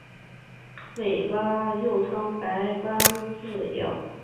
白颊刺尾鱼又称白斑刺尾鲷。